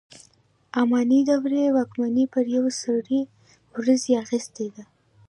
اماني دورې واکمني پر یوې سرې ورځې اخیستې ده.